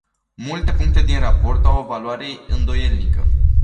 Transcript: Multe puncte din raport au o valoare îndoielnică.